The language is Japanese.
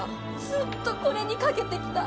ずっとこれにかけてきた。